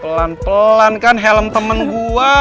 pelan pelan kan helm temen gue